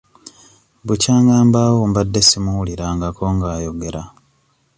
Bukyanga mbaawo mbadde simuwulirangako nga ayogera.